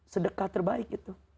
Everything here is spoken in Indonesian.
sedekah terbaik itu